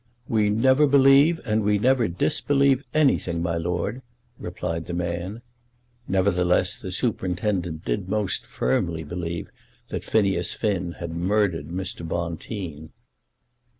"We never believe and we never disbelieve anything, my Lord," replied the man. Nevertheless, the superintendent did most firmly believe that Phineas Finn had murdered Mr. Bonteen.